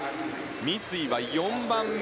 三井は４番目。